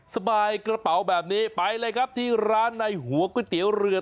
สบายกระเป๋าแบบนี้ไปเลยครับที่ร้านในหัวก๋วยเตี๋ยวเรือ